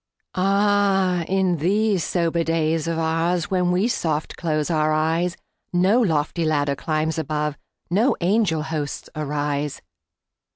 Ah, in these sober days of oursWhen we soft close our eyes, No lofty ladder climbs above, No angel hosts arise.